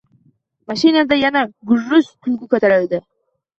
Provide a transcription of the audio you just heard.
Mashinada yana gurros kulgu ko’tarildi.